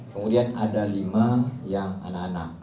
kemudian ada lima yang anak anak